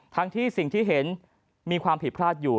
ทั้งที่สิ่งที่เห็นมีความผิดพลาดอยู่